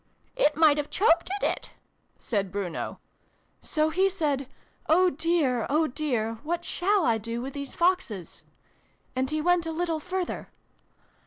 (" It might have chokeded it," said Bruno.) " So he said ' Oh dear, oh dear ! What shall I do with these Foxes ?' And he went a little further."